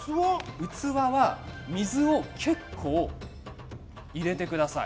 器に水を結構、入れてください。